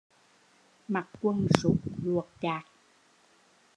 Mặc quần sút luột chạc